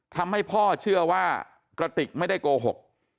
ทำให้พ่อเชื่อว่ากระติกไม่ได้โกหก